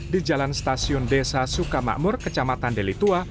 di jalan stasiun desa sukamakmur kecamatan delitua